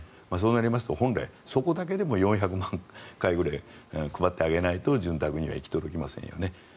そうなりますと本来そこだけでも４００万回ぐらい配ってあげないと潤沢には行き届きませんよね。